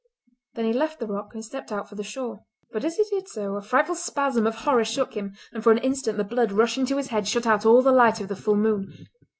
Then he left the rock and stepped out for the shore. But as he did so a frightful spasm of horror shook him, and for an instant the blood rushing to his head shut out all the light of the full moon.